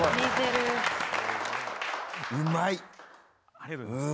ありがとうございます。